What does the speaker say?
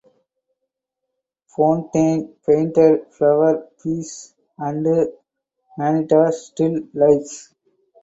Fonteyn painted flower pieces and vanitas still lifes.